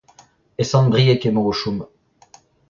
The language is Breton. E Sant-Brieg emañ o chom.